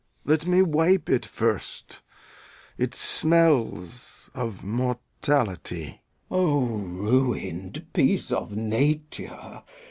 Lear. Let me wipe it first; it smells of mortality. Glou. O ruin'd piece of nature!